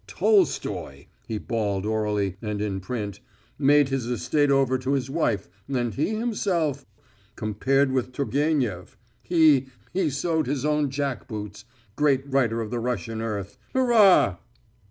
"Tolstoy" he bawled orally, and in print "made his estate over to his wife, and he himself.... Compared with Turgenief, he.... He sewed his own jack boots ... great writer of the Russian earth.... Hurrah!...